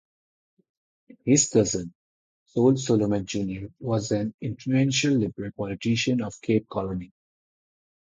His cousin, Saul Solomon Junior was an influential liberal politician of the Cape Colony.